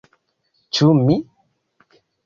Ĉu mi?